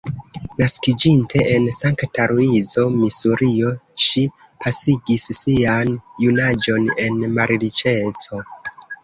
Naskiĝinte en Sankta-Luizo, Misurio, ŝi pasigis sian junaĝon en malriĉeco.